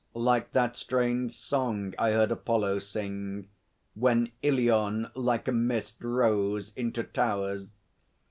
'"Like that strange song I heard Apollo sing: When Ilion like a mist rose into towers."